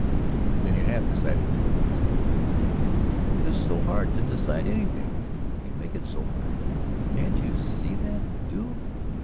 "Then you have decided to accuse me?" "It is so hard to decide anything. You make it so hard; can't you see that you do?